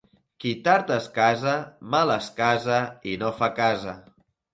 Qui tard es casa, mal es casa i no fa casa.